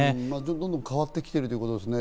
どんどん変わってきてるということですね。